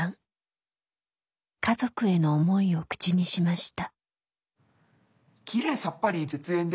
家族への思いを口にしました。